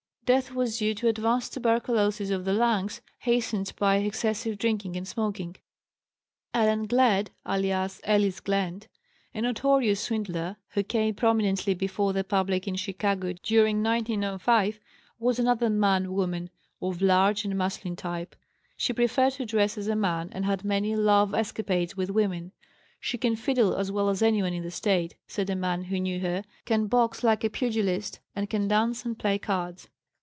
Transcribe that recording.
Death was due to advanced tuberculosis of the lungs, hastened by excessive drinking and smoking. Ellen Glenn, alias Ellis Glenn, a notorious swindler, who came prominently before the public in Chicago during 1905, was another "man woman," of large and masculine type. She preferred to dress as a man and had many love escapades with women. "She can fiddle as well as anyone in the State," said a man who knew her, "can box like a pugilist, and can dance and play cards."